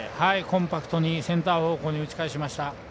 コンパクトにセンター方向に打ち返しました。